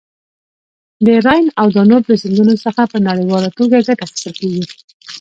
د راین او دانوب له سیندونو څخه په نړیواله ټوګه ګټه اخیستل کیږي.